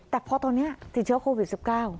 แต่พอตอนนี้สิเช่าโควิส๑๙